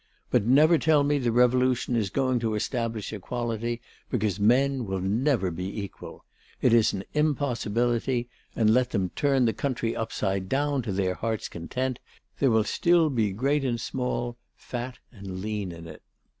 But never tell me the Revolution is going to establish equality, because men will never be equal; it is an impossibility, and, let them turn the country upside down to their heart's content, there will still be great and small, fat and lean in it."